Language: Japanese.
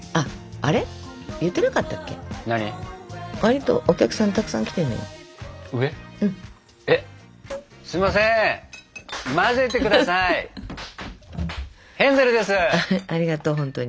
ありがとう本当に。